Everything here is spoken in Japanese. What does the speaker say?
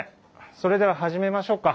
それでは始めましょうか。